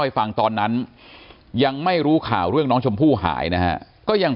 ฟังตอนนั้นยังไม่รู้ข่าวเรื่องน้องชมพู่หายนะฮะก็ยัง